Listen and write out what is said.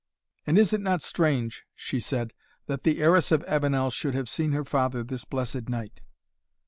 "And is it not strange," she said, "that the heiress of Avenel should have seen her father this blessed night?"